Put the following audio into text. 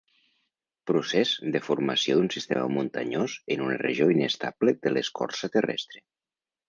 Procés de formació d'un sistema muntanyós en una regió inestable de l'escorça terrestre.